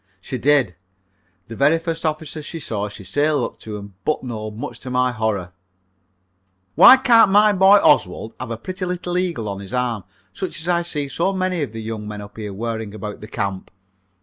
She did. The very first officer she saw she sailed up to and buttonholed much to my horror. "Why can't my boy Oswald have a pretty little eagle on his arm, such as I see so many of the young men up here wearing about the camp?"